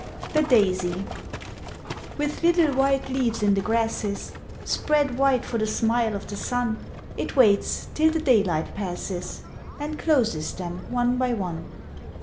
THE DAISY With little white leaves in the grasses, Spread wide for the smile of the sun, It waits till the daylight passes, And closes them one by one.